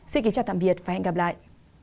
xin kính chào tạm biệt và hẹn gặp lại